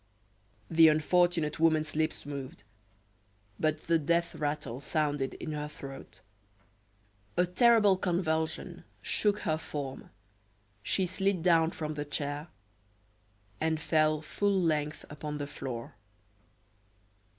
The unfortunate woman's lips moved, but the death rattle sounded in her throat; a terrible convulsion shook her form; she slid down from the chair, and fell full length upon the floor.